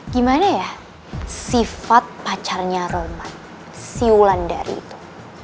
gimana ya sifat pacarnya roman siulan dari itu